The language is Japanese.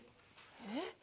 えっ？